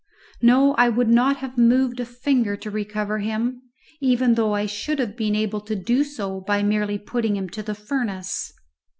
No, I would not have moved a finger to recover him, even though I should have been able to do so by merely putting him to the furnace.